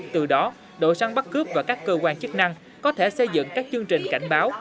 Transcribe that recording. từ đó đội săn bắt cướp và các cơ quan chức năng có thể xây dựng các chương trình cảnh báo